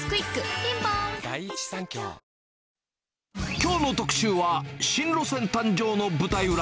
ピンポーンきょうの特集は、新路線誕生の舞台裏。